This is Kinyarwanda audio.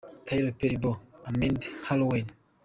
Tyler Perry’s Boo ! A Madea Haloween.